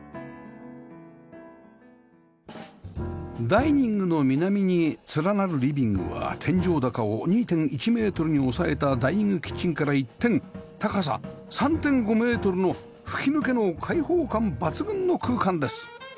ダイニングの南に連なるリビングは天井高を ２．１ メートルに抑えたダイニングキッチンから一転高さ ３．５ メートルの吹き抜けの開放感抜群の空間です